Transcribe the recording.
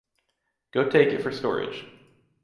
Go take it for storage.